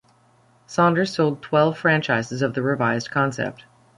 Saunders sold twelve franchises of the revised concept.